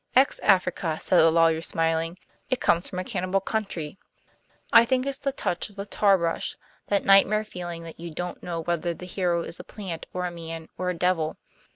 "Ex Africa," said the lawyer, smiling. "It comes from a cannibal country. I think it's the touch of the tar brush, that nightmare feeling that you don't know whether the hero is a plant or a man or a devil.